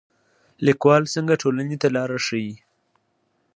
لیکوال څنګه ټولنې ته لار ښيي؟